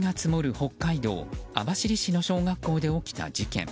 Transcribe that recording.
北海道網走市の小学校で起きた事件。